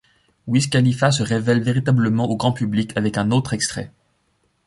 Wiz Khalifa se révèle véritablement au grand public avec un autre extrait, '.